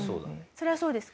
そりゃそうですね。